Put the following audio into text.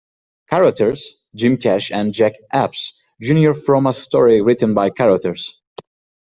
Carothers, Jim Cash and Jack Epps, Junior from a story written by Carothers.